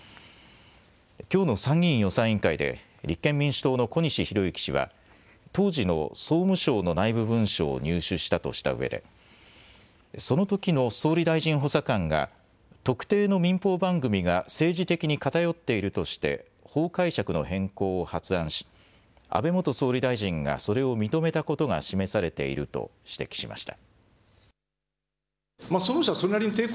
きょうの参議院予算委員会で立憲民主党の小西洋之氏は当時の総務省の内部文書を入手したとしたうえでそのときの総理大臣補佐官が特定の民放番組が政治的に偏っているとして法解釈の変更を発案し安倍元総理大臣がそれを認めたことが示されていると指摘しました。